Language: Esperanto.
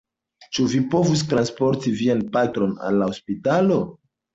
Ĉu vi povus transporti vian patron al la hospitalo?